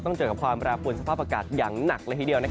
ต้องเจอกับความระปวดสภาพอากาศอย่างหนักหลายที่เดียว